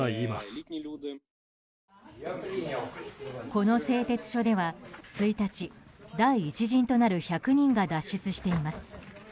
この製鉄所では１日第１陣となる１００人が脱出しています。